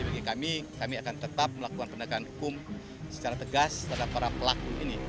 jadi bagi kami kami akan tetap melakukan pendekatan hukum secara tegas terhadap para pelaku ini